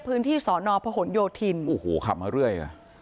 พื้นที่สอนอพหนโยธินโอ้โหขับมาเรื่อยอ่ะ